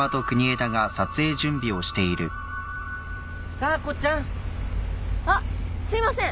査子ちゃん。あっすいません。